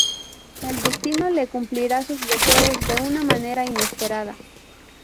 El destino le cumplirá sus deseos de una manera inesperada.